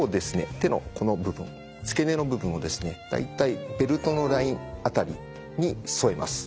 手のこの部分付け根の部分をですね大体ベルトのラインあたりに添えます。